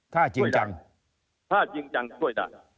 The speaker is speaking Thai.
ถ้าจริงจังด้วยนะ